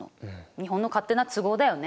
日本の勝手な都合だよね。